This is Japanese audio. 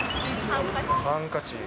ハンカチ。